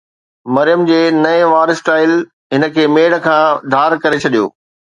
مريم جي نئين وار اسٽائل هن کي ميڙ کان ڌار ڪري ڇڏيو.